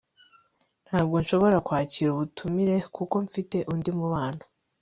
ntabwo nshobora kwakira ubutumire kuko mfite undi mubano